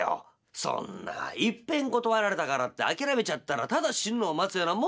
「そんないっぺん断られたからって諦めちゃったらただ死ぬのを待つようなもんですよ。